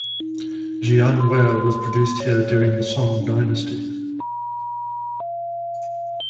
Jian ware was produced here during the Song dynasty.